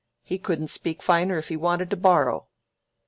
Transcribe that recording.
He couldn't speak finer if he wanted to borrow.